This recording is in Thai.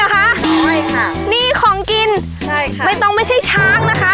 นี่อ่ะค่ะอ้อยค่ะนี่ของกินใช่ค่ะใบตองไม่ใช่ช้างนะคะ